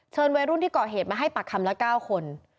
วัยรุ่นที่เกาะเหตุมาให้ปากคำละ๙คน